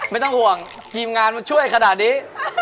ไม่ต้องห่วงทีมงานมาช่วยขนาดนี้